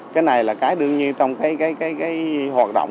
cái này là cái đương nhiên trong cái hoạt động